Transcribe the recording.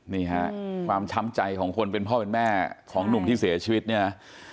นี่ฮะความช้ำใจของคนเป็นพ่อเป็นแม่ของหนุ่มที่เสียชีวิตเนี่ย